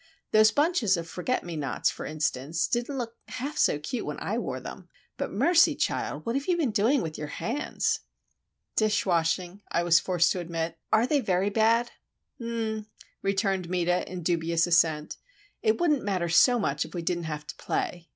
Those bunches of forget me nots, for instance, didn't look half so cute when I wore them. But, mercy, child—what have you been doing with your hands?" "Dish washing," I was forced to admit. "Are they very bad?" "H'm'm," returned Meta, in dubious assent. "It wouldn't matter so much if we didn't have to play.